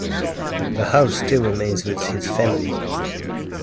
The house still remains with his family.